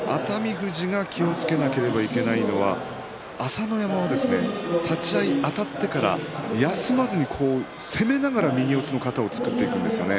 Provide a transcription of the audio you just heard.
富士が気をつけなければいけないのは朝乃山は立ち合いあたってから休まずに攻めながら右四つの型を作っていくんですね。